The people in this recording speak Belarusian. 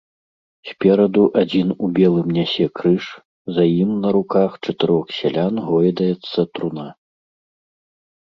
Спераду адзін у белым нясе крыж, за ім на руках чатырох сялян гойдаецца труна.